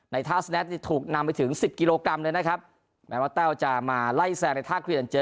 ท่าสแนตนี่ถูกนำไปถึงสิบกิโลกรัมเลยนะครับแม้ว่าแต้วจะมาไล่แซงในท่าเคลียร์